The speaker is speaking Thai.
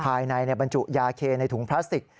ภายในบรรจุยาเคในถุงพลาสติก